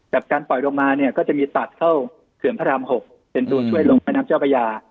การปล่อยลงมาเนี่ยก็จะมีตัดเข้าเขื่อนพระราม๖เป็นตัวช่วยลงแม่น้ำเจ้าพระยา